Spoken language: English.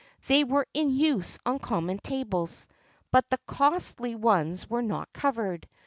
They were in use on common tables; but the costly ones were not covered.